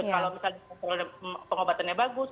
kalau misalnya pengobatannya bagus